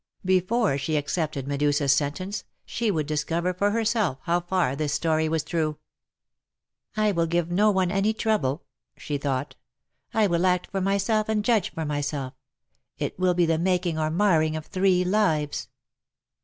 Before she accepted Medusa^s sentence she would discover for herself how far this story was true. '^ I will give no one any trouble,'" she thought :'^ I will act for myself, and judge for myself. It will be the making or marring of three lives."